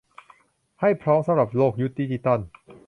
ให้พร้อมสำหรับโลกยุคดิจิทัล